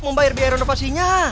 membayar biaya renovasinya